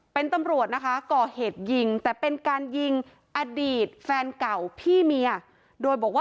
เป็นตำรวจก่อเหตุยิงแต่เป็นการยิงอดีตแฟนเก่าพี่เมีย